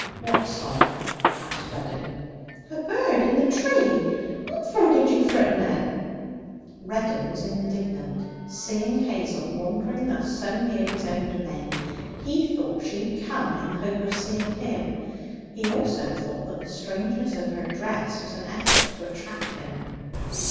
'What song?' asked Reddin. 'A bird in the tree. What for did you fritten it?' Reddin was indignant. Seeing Hazel wandering thus so near his own domain, he thought she had come in the hope of seeing him. He also thought that the strangeness of her dress was an effort to attract him.